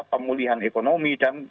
pemulihan ekonomi dan